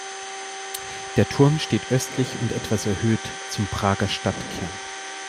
Der Turm steht östlich und etwas erhöht zum Prager Stadtkern.